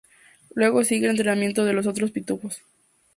Luego sigue el entrenamiento de los otros pitufos.